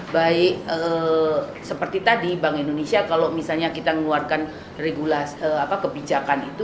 baik seperti tadi bank indonesia kalau misalnya kita mengeluarkan kebijakan itu